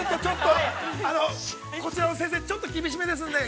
◆こちらの先生、ちょっと厳しめですので。